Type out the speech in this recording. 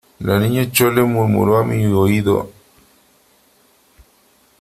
la Niña Chole murmuró a mi oído :